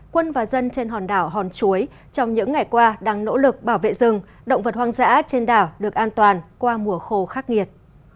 quân và dân trên hòn đảo hòn chuối trong những ngày qua đang nỗ lực bảo vệ rừng động vật hoang dã trên đảo được an toàn qua mùa khô khắc nghiệt